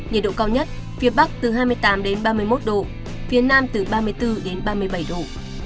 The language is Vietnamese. nhiệt độ cao nhất phía bắc từ hai mươi tám ba mươi một độ phía nam từ ba mươi bốn đến ba mươi bảy độ